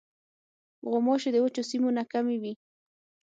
غوماشې د وچو سیمو نه کمې وي.